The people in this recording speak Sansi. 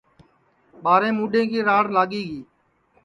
ٻاریں مُڈَیں کی راڑ لاگی گی